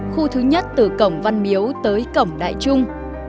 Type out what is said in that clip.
khu thứ nhất từ cổng văn miếu tới cổng đại trung